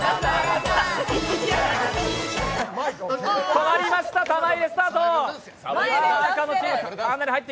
止まりました、玉入れスタート。